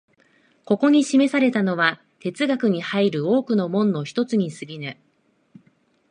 ここに示されたのは哲学に入る多くの門の一つに過ぎぬ。